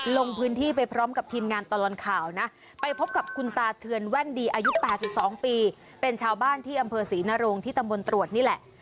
ลงพื้นที่ไปพร้อมกับทีมงานตลอดข่าวนะไปพบกับคุณตาเทือนแว่นดีอายุ๘๒ปีเป็นชาวบ้านที่อำเภอศรีนโรงที่ตำบลตรวจนี่แหละ